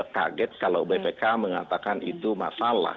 kaget kalau bpk mengatakan itu masalah